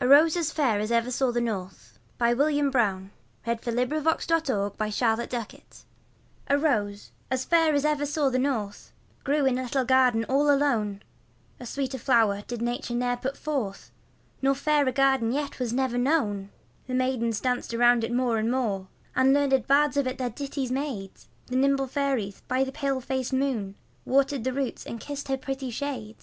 A Rose As Fair As Ever Saw The North A ROSE, as fair as ever saw the north, Grew in a little garden all alone; A sweeter flower did Nature ne'er put forth, Nor fairer garden yet was never known. The maidens danced about it more and more, And learned bards of it their ditties made; The nimble fairies by the pale faced moon Watered the root and kissed her pretty shade.